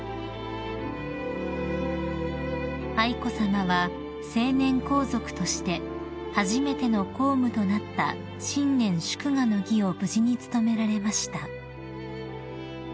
［愛子さまは成年皇族として初めての公務となった新年祝賀の儀を無事に務められました］